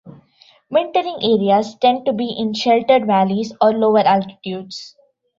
Wintering areas tend to be in sheltered valleys or lower altitudes.